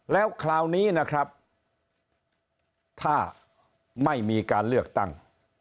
แล้วคราวนี้นะครับถ้าไม่มีการเลือกตั้ง